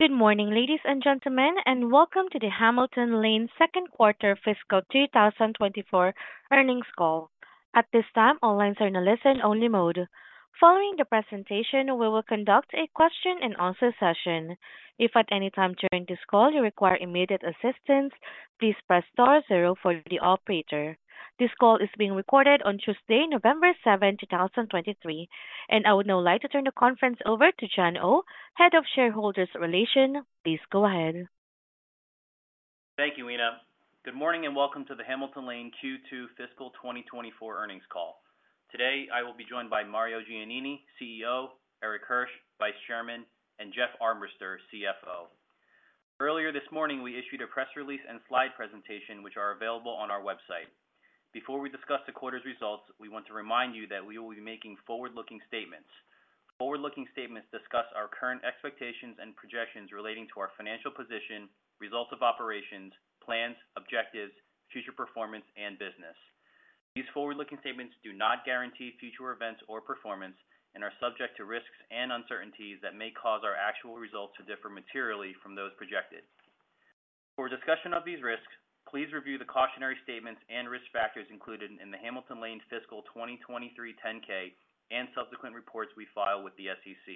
Good morning, ladies and gentlemen, and welcome to the Hamilton Lane second quarter fiscal 2024 earnings call. At this time, all lines are in a listen-only mode. Following the presentation, we will conduct a question and answer session. If at any time during this call you require immediate assistance, please press star zero for the operator. This call is being recorded on Tuesday, November 7, 2023, and I would now like to turn the conference over to John Oh, Head of Shareholder Relations. Please go ahead. Thank you, Lena. Good morning, and welcome to the Hamilton Lane Q2 fiscal 2024 earnings call. Today, I will be joined by Mario Giannini, CEO, Erik Hirsch, Vice Chairman, and Jeffrey Armbrister, CFO. Earlier this morning, we issued a press release and slide presentation, which are available on our website. Before we discuss the quarter's results, we want to remind you that we will be making forward-looking statements. Forward-looking statements discuss our current expectations and projections relating to our financial position, results of operations, plans, objectives, future performance, and business. These forward-looking statements do not guarantee future events or performance and are subject to risks and uncertainties that may cause our actual results to differ materially from those projected. For discussion of these risks, please review the cautionary statements and risk factors included in Hamilton Lane's fiscal 2023 10-K and subsequent reports we file with the SEC.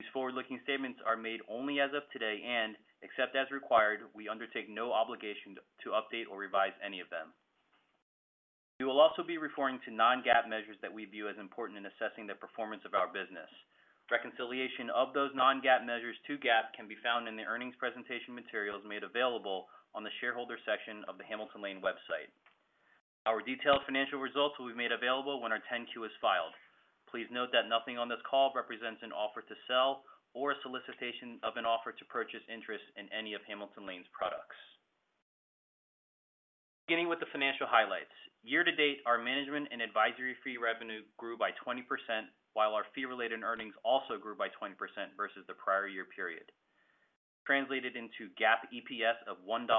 These forward-looking statements are made only as of today, and except as required, we undertake no obligation to update or revise any of them. We will also be referring to non-GAAP measures that we view as important in assessing the performance of our business. Reconciliation of those non-GAAP measures to GAAP can be found in the earnings presentation materials made available on the shareholder section of the Hamilton Lane website. Our detailed financial results will be made available when our 10-Q is filed. Please note that nothing on this call represents an offer to sell or a solicitation of an offer to purchase interest in any of Hamilton Lane's products. Beginning with the financial highlights, year to date, our management and advisory fee revenue grew by 20%, while our fee-related earnings also grew by 20% versus the prior year period. Translated into GAAP EPS of $1.92,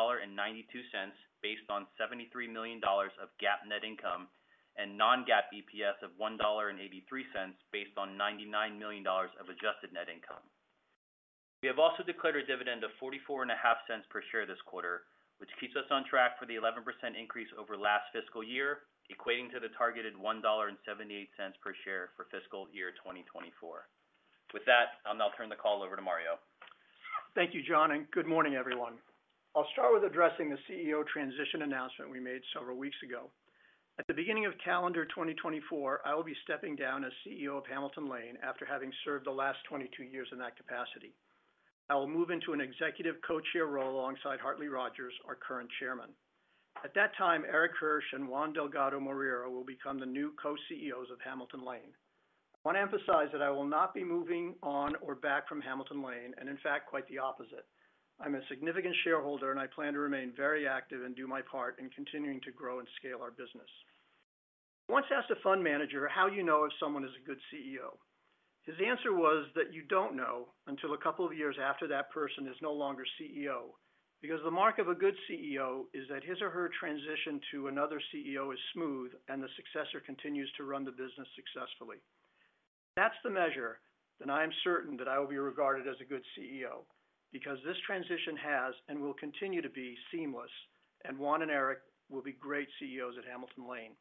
based on $73 million of GAAP net income and non-GAAP EPS of $1.83, based on $99 million of adjusted net income. We have also declared a dividend of $0.445 per share this quarter, which keeps us on track for the 11% increase over last fiscal year, equating to the targeted $1.78 per share for fiscal year 2024. With that, I'll now turn the call over to Mario. Thank you, John, and good morning, everyone. I'll start with addressing the CEO transition announcement we made several weeks ago. At the beginning of calendar 2024, I will be stepping down as CEO of Hamilton Lane after having served the last 22 years in that capacity. I will move into an executive co-chair role alongside Hartley Rogers, our current chairman. At that time, Erik Hirsch and Juan Delgado-Moreira will become the new co-CEOs of Hamilton Lane. I want to emphasize that I will not be moving on or back from Hamilton Lane, and in fact, quite the opposite. I'm a significant shareholder, and I plan to remain very active and do my part in continuing to grow and scale our business. I once asked a fund manager how you know if someone is a good CEO. His answer was that you don't know until a couple of years after that person is no longer CEO, because the mark of a good CEO is that his or her transition to another CEO is smooth and the successor continues to run the business successfully. If that's the measure, then I am certain that I will be regarded as a good CEO, because this transition has and will continue to be seamless, and Juan and Erik will be great CEOs at Hamilton Lane.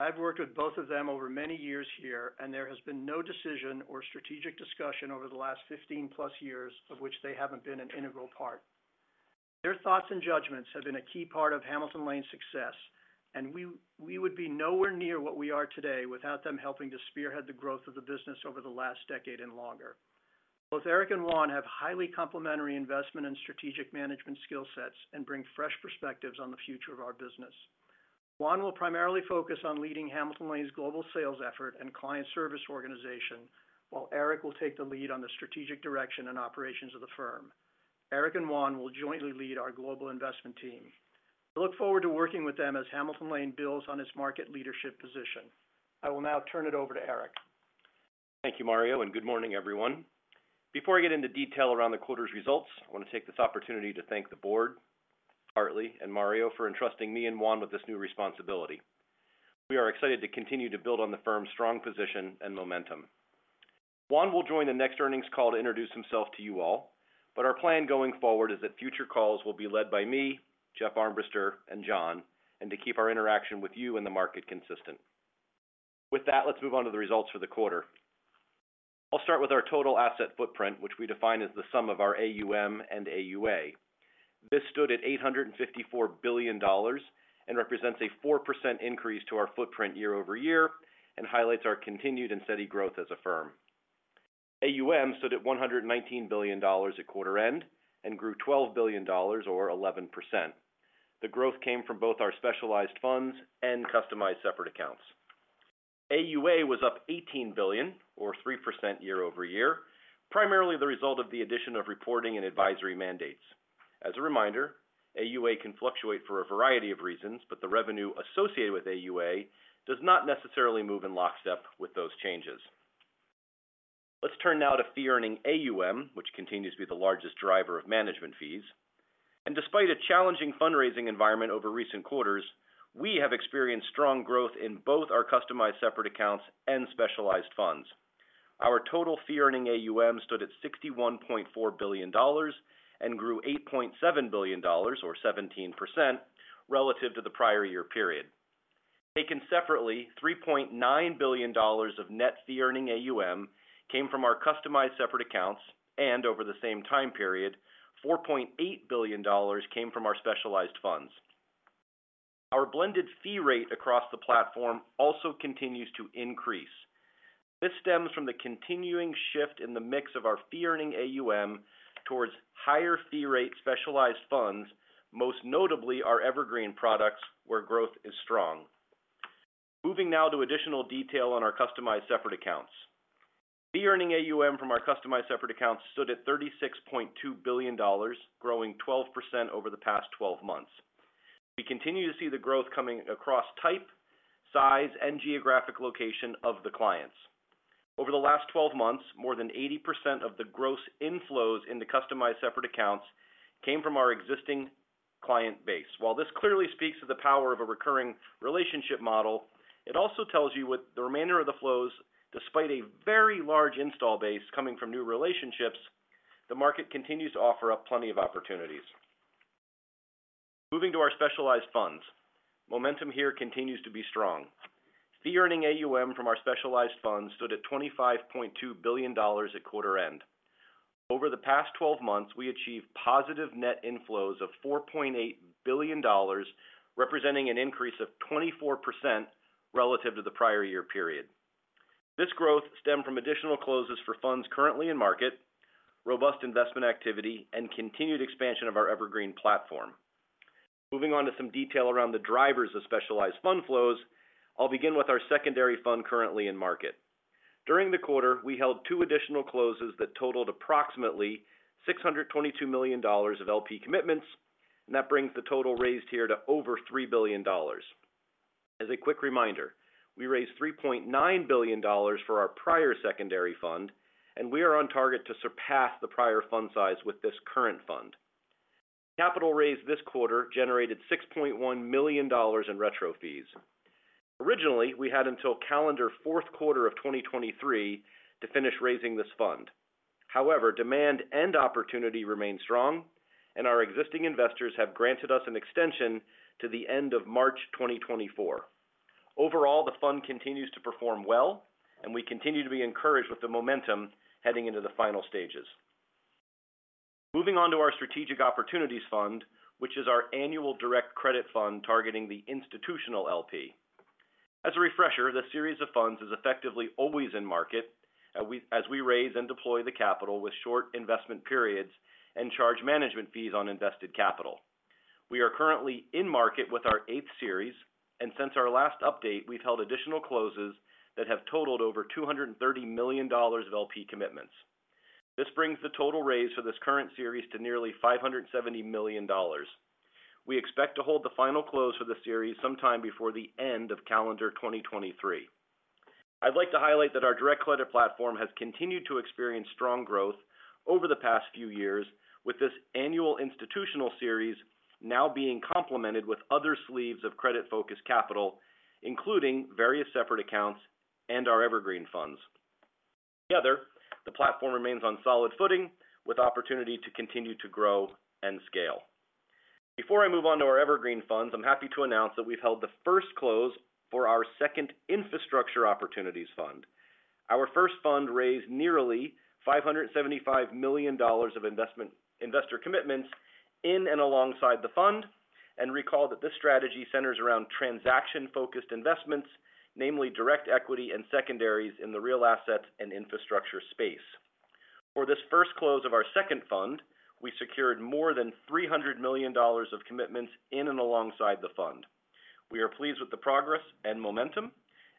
I've worked with both of them over many years here, and there has been no decision or strategic discussion over the last 15+ years of which they haven't been an integral part. Their thoughts and judgments have been a key part of Hamilton Lane's success, and we would be nowhere near what we are today without them helping to spearhead the growth of the business over the last decade and longer. Both Erik and Juan have highly complementary investment and strategic management skill sets and bring fresh perspectives on the future of our business. Juan will primarily focus on leading Hamilton Lane's global sales effort and client service organization, while Erik will take the lead on the strategic direction and operations of the firm. Erik and Juan will jointly lead our global investment team. I look forward to working with them as Hamilton Lane builds on its market leadership position. I will now turn it over to Erik. Thank you, Mario, and good morning, everyone. Before I get into detail around the quarter's results, I want to take this opportunity to thank the board, Hartley and Mario for entrusting me and Juan with this new responsibility. We are excited to continue to build on the firm's strong position and momentum. Juan will join the next earnings call to introduce himself to you all, but our plan going forward is that future calls will be led by me, Jeff Armbrister, and John, and to keep our interaction with you and the market consistent. With that, let's move on to the results for the quarter. I'll start with our total asset footprint, which we define as the sum of our AUM and AUA. This stood at $854 billion and represents a 4% increase to our footprint year-over-year and highlights our continued and steady growth as a firm. AUM stood at $119 billion at quarter end and grew $12 billion or 11%. The growth came from both our specialized funds and customized separate accounts. AUA was up $18 billion or 3% year-over-year, primarily the result of the addition of reporting and advisory mandates. As a reminder, AUA can fluctuate for a variety of reasons, but the revenue associated with AUA does not necessarily move in lockstep with those changes. Let's turn now to fee-earning AUM, which continues to be the largest driver of management fees. And despite a challenging fundraising environment over recent quarters, we have experienced strong growth in both our Customized Separate Accounts and Specialized Funds. Our total fee-earning AUM stood at $61.4 billion and grew $8.7 billion, or 17%, relative to the prior year period. Taken separately, $3.9 billion of net fee-earning AUM came from our Customized Separate Accounts, and over the same time period, $4.8 billion came from our Specialized Funds. Our blended fee rate across the platform also continues to increase. This stems from the continuing shift in the mix of our fee-earning AUM towards higher fee rate Specialized Funds, most notably our Evergreen products, where growth is strong. Moving now to additional detail on our Customized Separate Accounts. Fee-Earning AUM from our Customized Separate Accounts stood at $36.2 billion, growing 12% over the past 12 months. We continue to see the growth coming across type, size, and geographic location of the clients. Over the last 12 months, more than 80% of the gross inflows in the Customized Separate Accounts came from our existing client base. While this clearly speaks to the power of a recurring relationship model, it also tells you with the remainder of the flows, despite a very large install base coming from new relationships, the market continues to offer up plenty of opportunities. Moving to our Specialized Funds. Momentum here continues to be strong. Fee-Earning AUM from our Specialized Funds stood at $25.2 billion at quarter end. Over the past 12 months, we achieved positive net inflows of $4.8 billion, representing an increase of 24% relative to the prior year period. This growth stemmed from additional closes for funds currently in market, robust investment activity, and continued expansion of our Evergreen platform. Moving on to some detail around the drivers of specialized fund flows, I'll begin with our secondary fund currently in market. During the quarter, we held two additional closes that totaled approximately $622 million of LP commitments, and that brings the total raised here to over $3 billion. As a quick reminder, we raised $3.9 billion for our prior secondary fund, and we are on target to surpass the prior fund size with this current fund. Capital raised this quarter generated $6.1 million in retro fees. Originally, we had until calendar fourth quarter of 2023 to finish raising this fund. However, demand and opportunity remain strong, and our existing investors have granted us an extension to the end of March 2024. Overall, the fund continues to perform well, and we continue to be encouraged with the momentum heading into the final stages. Moving on to our Strategic Opportunities Fund, which is our annual direct credit fund targeting the institutional LP. As a refresher, this series of funds is effectively always in market, as we raise and deploy the capital with short investment periods and charge management fees on invested capital. We are currently in market with our eighth series, and since our last update, we've held additional closes that have totaled over $230 million of LP commitments. This brings the total raise for this current series to nearly $570 million. We expect to hold the final close for the series sometime before the end of calendar 2023. I'd like to highlight that our direct credit platform has continued to experience strong growth over the past few years, with this annual institutional series now being complemented with other sleeves of credit-focused capital, including various separate accounts and our Evergreen funds. Together, the platform remains on solid footing, with opportunity to continue to grow and scale. Before I move on to our Evergreen funds, I'm happy to announce that we've held the first close for our second Infrastructure Opportunities Fund. Our first fund raised nearly $575 million of investor commitments in and alongside the fund, and recall that this strategy centers around transaction-focused investments, namely direct equity and secondaries in the real assets and infrastructure space. For this first close of our second fund, we secured more than $300 million of commitments in and alongside the fund. We are pleased with the progress and momentum,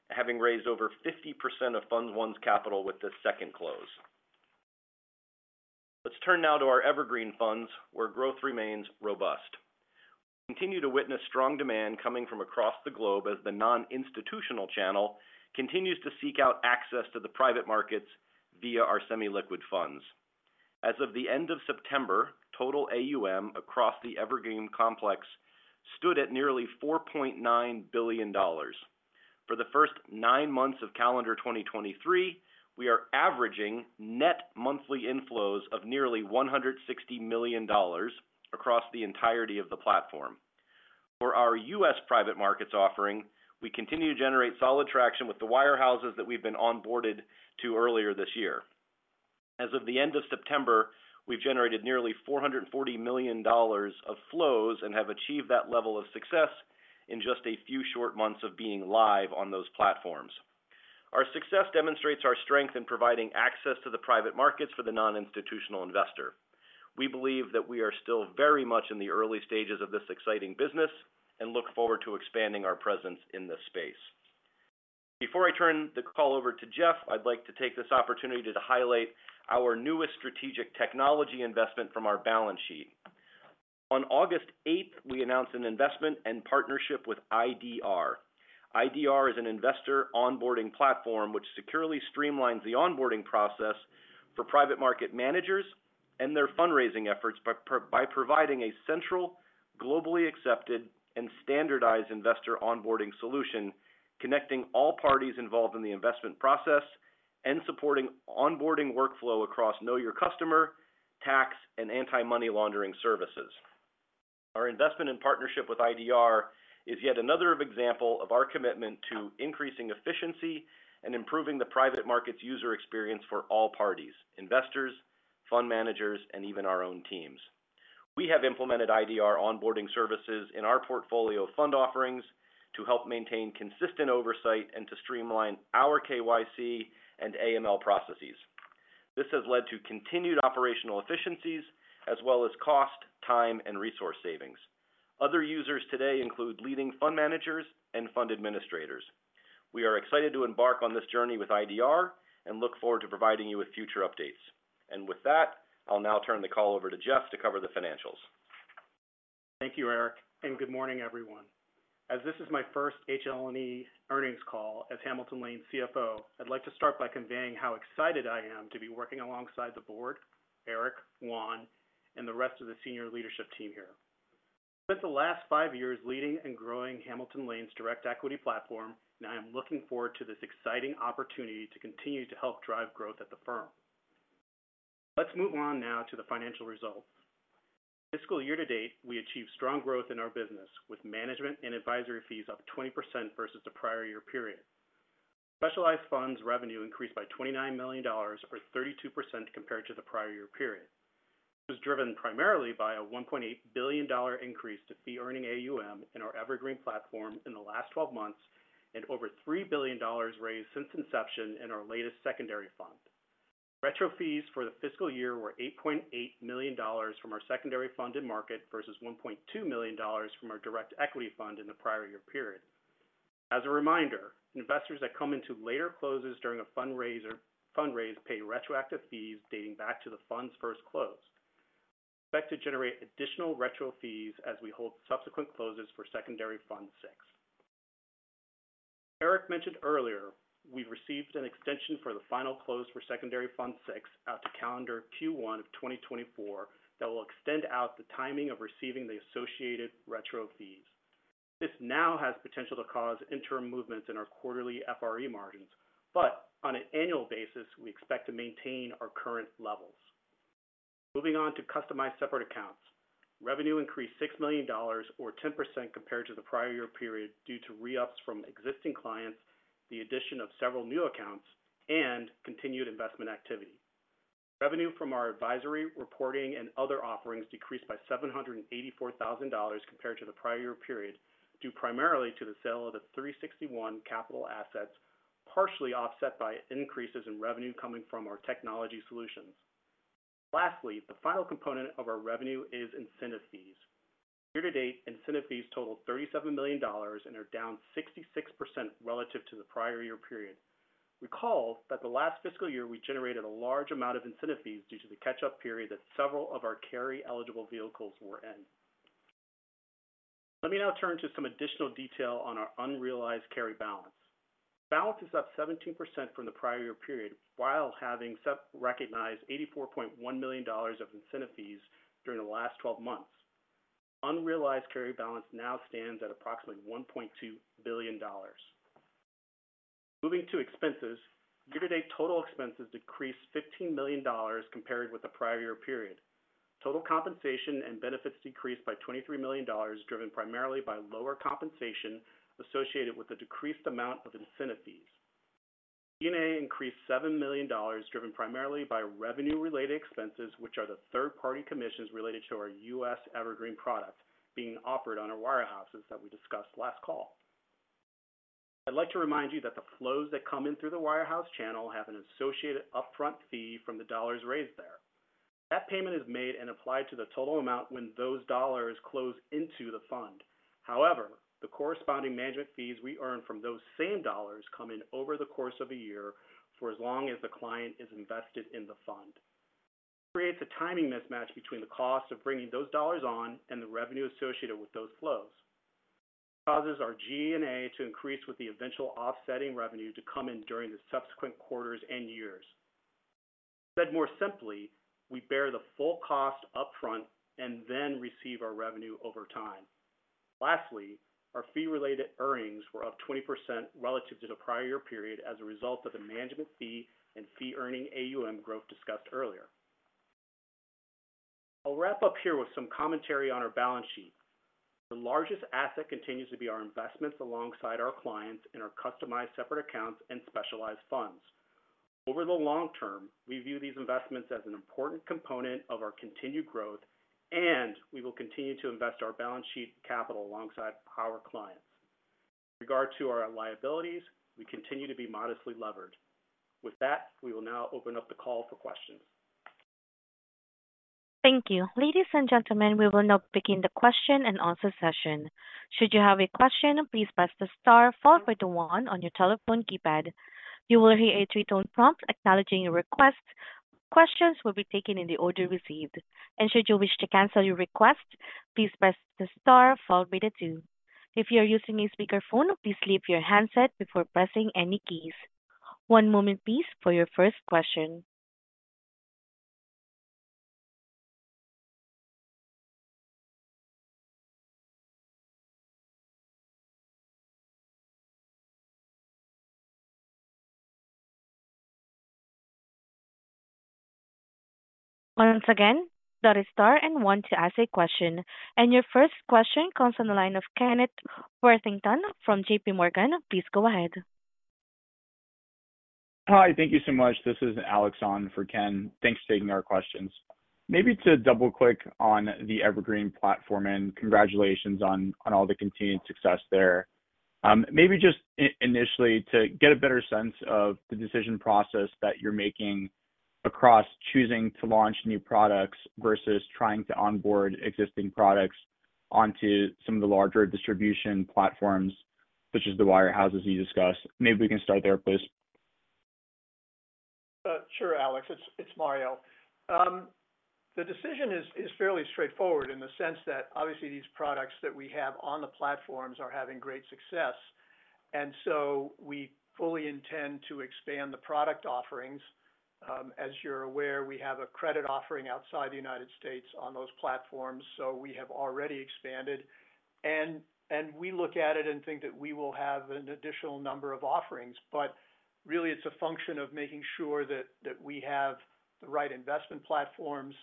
having raised over 50% of Fund I's capital with this second close. Let's turn now to our Evergreen funds, where growth remains robust. We continue to witness strong demand coming from across the globe as the non-institutional channel continues to seek out access to the private markets via our semi-liquid funds. As of the end of September, total AUM across the Evergreen complex stood at nearly $4.9 billion. For the first nine months of calendar 2023, we are averaging net monthly inflows of nearly $160 million across the entirety of the platform. For our U.S. private markets offering, we continue to generate solid traction with the wirehouses that we've been onboarded to earlier this year. As of the end of September, we've generated nearly $440 million of flows and have achieved that level of success in just a few short months of being live on those platforms. Our success demonstrates our strength in providing access to the private markets for the non-institutional investor. We believe that we are still very much in the early stages of this exciting business, and look forward to expanding our presence in this space. Before I turn the call over to Jeff, I'd like to take this opportunity to highlight our newest strategic technology investment from our balance sheet. On August eighth, we announced an investment and partnership with IDR. IDR is an investor onboarding platform which securely streamlines the onboarding process for private market managers and their fundraising efforts by providing a central, globally accepted, and standardized investor onboarding solution, connecting all parties involved in the investment process and supporting onboarding workflow across Know Your Customer, tax, and anti-money laundering services. Our investment and partnership with IDR is yet another example of our commitment to increasing efficiency and improving the private markets user experience for all parties, investors, fund managers, and even our own teams. We have implemented IDR onboarding services in our portfolio of fund offerings to help maintain consistent oversight and to streamline our KYC and AML processes. This has led to continued operational efficiencies as well as cost, time, and resource savings. Other users today include leading fund managers and fund administrators. We are excited to embark on this journey with IDR and look forward to providing you with future updates. With that, I'll now turn the call over to Jeff to cover the financials. Thank you, Erik, and good morning, everyone. As this is my first HLNE earnings call as Hamilton Lane's CFO, I'd like to start by conveying how excited I am to be working alongside the board, Erik, Juan, and the rest of the senior leadership team here. I spent the last five years leading and growing Hamilton Lane's direct equity platform, and I am looking forward to this exciting opportunity to continue to help drive growth at the firm. Let's move on now to the financial results. Fiscal year to date, we achieved strong growth in our business, with management and advisory fees up 20% versus the prior year period. Specialized Funds revenue increased by $29 million, or 32% compared to the prior year period. This was driven primarily by a $1.8 billion increase to fee-earning AUM in our Evergreen platform in the last 12 months, and over $3 billion raised since inception in our latest secondary fund. Retro fees for the fiscal year were $8.8 million from our secondary fund in market, versus $1.2 million from our direct equity fund in the prior year period. As a reminder, investors that come into later closes during a fundraise pay retroactive fees dating back to the fund's first close. Expect to generate additional retro fees as we hold subsequent closes for Secondary Fund VI. Erik mentioned earlier, we've received an extension for the final close for Secondary Fund VI out to calendar Q1 of 2024, that will extend out the timing of receiving the associated retro fees. This now has potential to cause interim movements in our quarterly FRE margins, but on an annual basis, we expect to maintain our current levels. Moving on to Customized Separate Accounts. Revenue increased $6 million, or 10% compared to the prior year period, due to re-ups from existing clients, the addition of several new accounts, and continued investment activity. Revenue from our advisory, reporting, and other offerings decreased by $784,000 compared to the prior year period, due primarily to the sale of the 360 ONE capital assets, partially offset by increases in revenue coming from our Technology Solutions. Lastly, the final component of our revenue is incentive fees. Year to date, incentive fees totaled $37 million and are down 66% relative to the prior year period. Recall that the last fiscal year, we generated a large amount of incentive fees due to the catch-up period that several of our carry-eligible vehicles were in. Let me now turn to some additional detail on our unrealized carry balance. Balance is up 17% from the prior year period, while having separately recognized $84.1 million of incentive fees during the last 12 months. Unrealized carry balance now stands at approximately $1.2 billion. Moving to expenses. Year-to-date total expenses decreased $15 million compared with the prior year period. Total compensation and benefits decreased by $23 million, driven primarily by lower compensation associated with the decreased amount of incentive fees. G&A increased $7 million, driven primarily by revenue-related expenses, which are the third-party commissions related to our U.S. Evergreen product being offered on our wirehouses that we discussed last call. I'd like to remind you that the flows that come in through the wirehouse channel have an associated upfront fee from the dollars raised there. That payment is made and applied to the total amount when those dollars close into the fund. However, the corresponding management fees we earn from those same dollars come in over the course of a year for as long as the client is invested in the fund. Creates a timing mismatch between the cost of bringing those dollars on and the revenue associated with those flows. Causes our G&A to increase with the eventual offsetting revenue to come in during the subsequent quarters and years. Said more simply, we bear the full cost upfront and then receive our revenue over time. Lastly, our fee-related earnings were up 20% relative to the prior year period as a result of the management fee and fee-earning AUM growth discussed earlier. I'll wrap up here with some commentary on our balance sheet. The largest asset continues to be our investments alongside our clients in our Customized Separate Accounts and Specialized Funds. Over the long term, we view these investments as an important component of our continued growth, and we will continue to invest our balance sheet capital alongside our clients. With regard to our liabilities, we continue to be modestly levered. With that, we will now open up the call for questions. Thank you. Ladies and gentlemen, we will now begin the question and answer session. Should you have a question, please press the star followed by the one on your telephone keypad. You will hear a three-tone prompt acknowledging your request. Questions will be taken in the order received, and should you wish to cancel your request, please press the star followed by the two. If you're using a speakerphone, please leave your handset before pressing any keys. One moment please for your first question. Once again, that is star and one to ask a question. And your first question comes on the line of Kenneth Worthington from JPMorgan. Please go ahead. Hi, thank you so much. This is Alex on for Ken. Thanks for taking our questions. Maybe to double-click on the Evergreen platform and congratulations on, on all the continued success there. Maybe just initially, to get a better sense of the decision process that you're making across choosing to launch new products versus trying to onboard existing products onto some of the larger distribution platforms, such as the wirehouse you discussed. Maybe we can start there, please. Sure, Alex. It's Mario. The decision is fairly straightforward in the sense that obviously these products that we have on the platforms are having great success, and so we fully intend to expand the product offerings. As you're aware, we have a credit offering outside the United States on those platforms, so we have already expanded. And we look at it and think that we will have an additional number of offerings, but really it's a function of making sure that we have the right investment platforms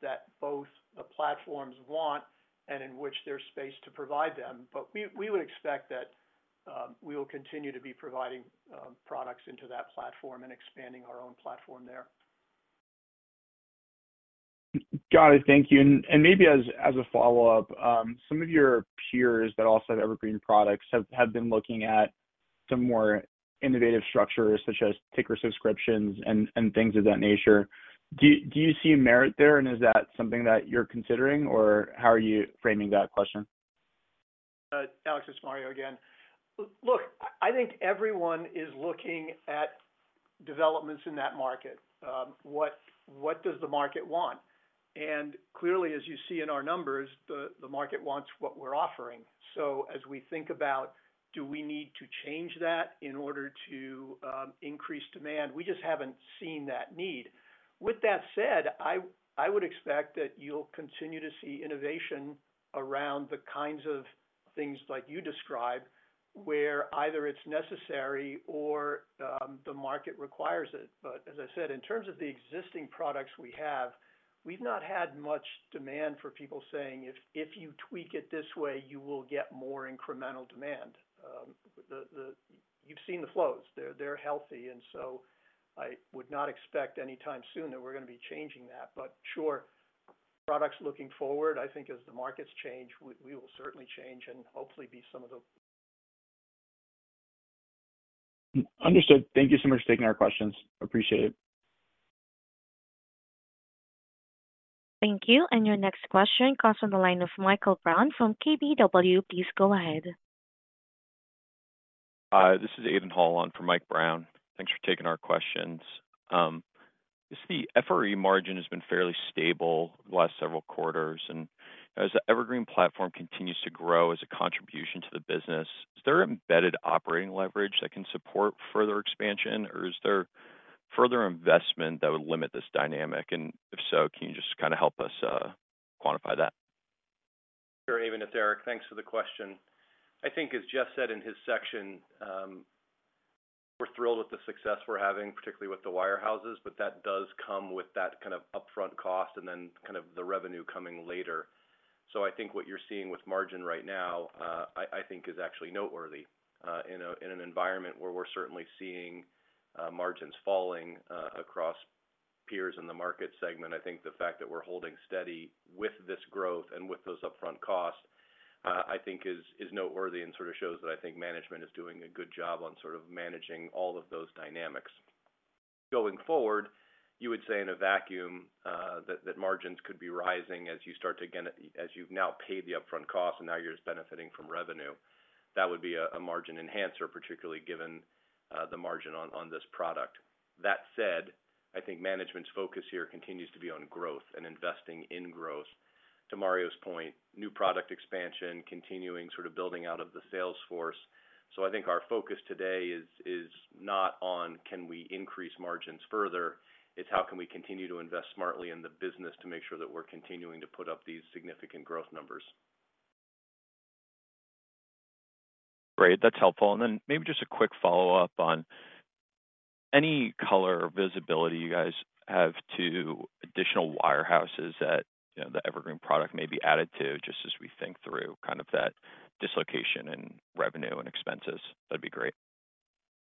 that both the platforms want and in which there's space to provide them. But we would expect that we will continue to be providing products into that platform and expanding our own platform there. Got it. Thank you. And maybe as a follow-up, some of your peers that also have Evergreen products have been looking at some more innovative structures, such as ticker subscriptions and things of that nature. Do you see merit there? And is that something that you're considering, or how are you framing that question? Alex, it's Mario again. Look, I think everyone is looking at developments in that market. What does the market want? And clearly, as you see in our numbers, the market wants what we're offering. So as we think about, "Do we need to change that in order to increase demand?" We just haven't seen that need. With that said, I would expect that you'll continue to see innovation around the kinds of things like you described, where either it's necessary or the market requires it. But as I said, in terms of the existing products we have, we've not had much demand for people saying, "If you tweak it this way, you will get more incremental demand." You've seen the flows. They're healthy, and so I would not expect anytime soon that we're going to be changing that. But sure, products looking forward, I think as the markets change, we will certainly change and hopefully be some of the- Understood. Thank you so much for taking our questions. Appreciate it. Thank you. And your next question comes from the line of Michael Brown from KBW. Please go ahead. This is Aiden Hall on for Mike Brown. Thanks for taking our questions. Just the FRE margin has been fairly stable the last several quarters, and as the Evergreen platform continues to grow as a contribution to the business, is there embedded operating leverage that can support further expansion, or is there further investment that would limit this dynamic? And if so, can you just kind of help us quantify that? Sure, Aiden, it's Erik. Thanks for the question. I think as Jeff said in his section, we're thrilled with the success we're having, particularly with the wirehouses, but that does come with that kind of upfront cost and then kind of the revenue coming later. So I think what you're seeing with margin right now, I think is actually noteworthy. In an environment where we're certainly seeing margins falling across peers in the market segment, I think the fact that we're holding steady with this growth and with those upfront costs, I think is noteworthy and sort of shows that I think management is doing a good job on sort of managing all of those dynamics. Going forward, you would say in a vacuum, that margins could be rising as you start to again, as you've now paid the upfront cost and now you're just benefiting from revenue. That would be a margin enhancer, particularly given the margin on this product. That said, I think management's focus here continues to be on growth and investing in growth. To Mario's point, new product expansion, continuing sort of building out of the sales force. So I think our focus today is not on can we increase margins further, it's how can we continue to invest smartly in the business to make sure that we're continuing to put up these significant growth numbers. Great, that's helpful. Then maybe just a quick follow-up on any color or visibility you guys have to additional wire houses that, you know, the Evergreen product may be added to, just as we think through kind of that dislocation in revenue and expenses. That'd be great.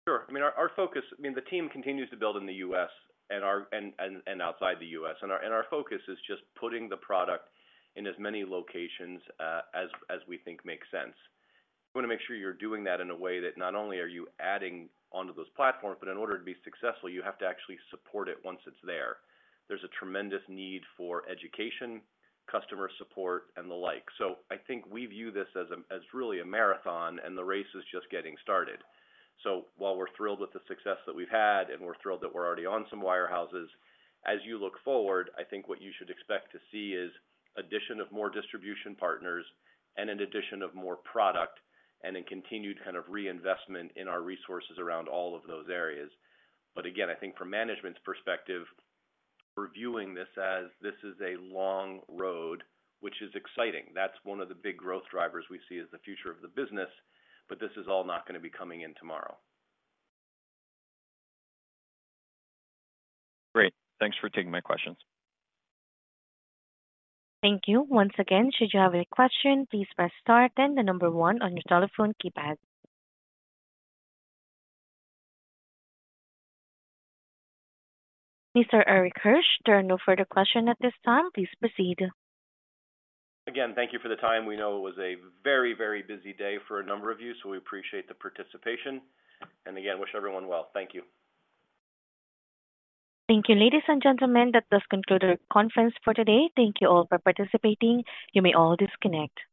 Sure. I mean, our focus. I mean, the team continues to build in the U.S. and outside the U.S., and our focus is just putting the product in as many locations as we think makes sense. You want to make sure you're doing that in a way that not only are you adding onto those platforms, but in order to be successful, you have to actually support it once it's there. There's a tremendous need for education, customer support, and the like. So I think we view this as really a marathon, and the race is just getting started. So while we're thrilled with the success that we've had, and we're thrilled that we're already on some wirehouses, as you look forward, I think what you should expect to see is addition of more distribution partners and an addition of more product, and a continued kind of reinvestment in our resources around all of those areas. But again, I think from management's perspective, we're viewing this as this is a long road, which is exciting. That's one of the big growth drivers we see as the future of the business, but this is all not going to be coming in tomorrow. Great. Thanks for taking my questions. Thank you. Once again, should you have any question, please press star then one on your telephone keypad. Mr. Erik Hirsch, there are no further questions at this time. Please proceed. Again, thank you for the time. We know it was a very, very busy day for a number of you, so we appreciate the participation, and again, wish everyone well. Thank you. Thank you, ladies and gentlemen, that does conclude our conference for today. Thank you all for participating. You may all disconnect.